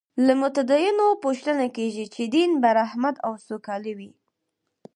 له متدینو پوښتنه کېږي چې دین به رحمت او سوکالي وي.